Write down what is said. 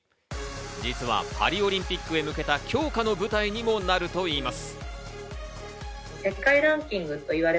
実はパリオリンピックへ向けた強化の舞台にもなるといいます。